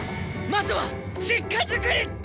まずは実家づくり！